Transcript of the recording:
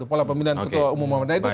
pola pemilihan ketua umum muhammadiyah